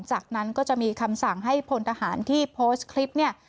จากนั้นก็จะมีคำสั่งให้พลทหารที่โพสต์คลิปเนี่ย